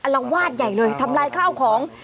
ละวาดใหญ่เลยทำลายข้าวของ